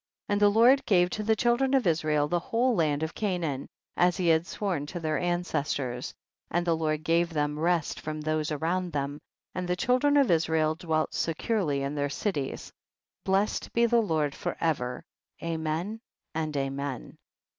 15. And the Lord gave to the children of Israel the whole land of Canaan, as he had sworn to their ancestors, and the Lord gave them rest from those around thejn, and the children of Israel dwelt securely in their cities. 16. Blessed be the Lord for ever, amen, and amen.